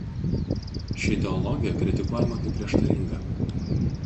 Ši ideologija kritikuojama kaip prieštaringa.